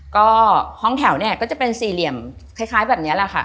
ก็ห้องแถวเนี่ยก็จะเป็นสี่เหลี่ยมคล้ายแบบนี้แหละค่ะ